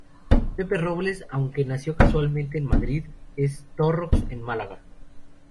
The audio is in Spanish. Pepe Robles, aunque nació casualmente en Madrid, es de Torrox, en Málaga.